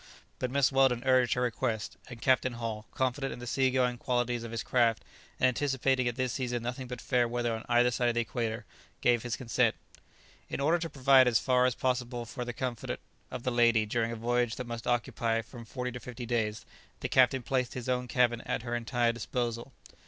But Mrs. Weldon urged her request, and Captain Hull, confident in the sea going qualities of his craft, and anticipating at this season nothing but fair weather on either side of the equator, gave his consent. In order to provide as far as possible for the comfort of the lady during a voyage that must occupy from forty to fifty days, the captain placed his own cabin at her entire disposal.